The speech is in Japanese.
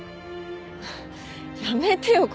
やめてよ